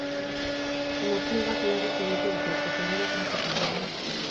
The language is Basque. Emakume bat larri zauritu dute, eta egoera kritikoan dago.